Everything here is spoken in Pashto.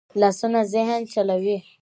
لاسونه ذهن چلوي